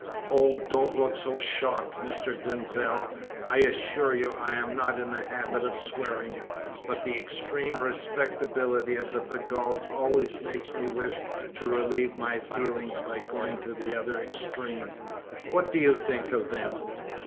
"Oh, don't look so shocked, Mr. Denzil. I assure you I am not in the habit of swearing, but the extreme respectability of the Pegalls always makes me wish to relieve my feelings by going to the other extreme. What do you think of them?"